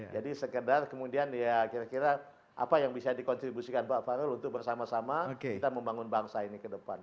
jadi sekedar kemudian ya kira kira apa yang bisa dikontribusikan pak fahru untuk bersama sama kita membangun bangsa ini ke depan